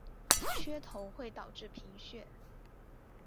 缺铜会导致贫血。